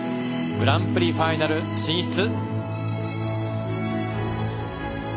グランプリファイナル進出。